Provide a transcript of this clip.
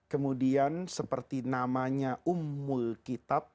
kemudian seperti namanya ummul kitab